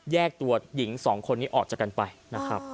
แยกตัวหญิงสองคนนี้ออกจากกันไปนะครับ